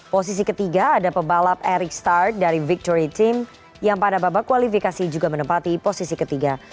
posisi ketiga ada pebalap eric start dari victory team yang pada babak kualifikasi juga menempati posisi ketiga